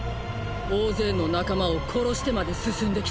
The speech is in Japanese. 大勢の仲間を殺してまで進んできた。